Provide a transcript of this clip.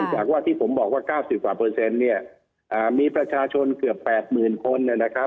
เนื่องจากที่ผมบอกว่า๙๐มีประชาชนเกือบ๘หมื่นคน